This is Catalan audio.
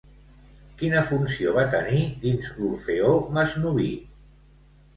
Quina funció va tenir dins l'Orfeó Masnoví?